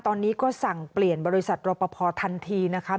ตอนนี้ก็สั่งเปลี่ยนบริษัทรปภทันทีนะคะ